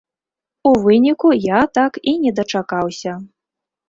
У выніку я так і не дачакаўся.